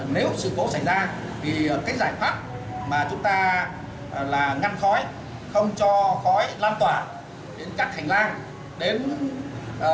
nếu sự phổ xảy ra thì cái giải pháp mà chúng ta là ngăn khói không cho khói lan tỏa đến các hành lang đến các trong cái